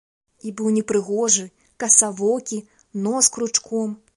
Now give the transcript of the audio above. І быў непрыгожы, касавокі, нос кручком.